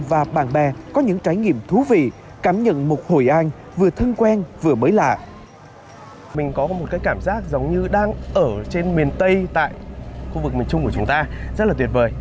và bạn bè có những trải nghiệm thú vị cảm nhận một hồi anh vừa thân quen vừa mới lạ